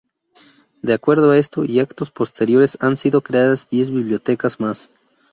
De acuerdo a esto y actos posteriores, han sido creadas diez bibliotecas más.